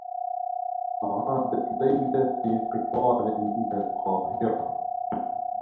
عادت ليلى في قطار إلى القاهرة.